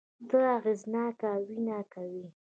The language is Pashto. ته اغېزناکه وينه کوې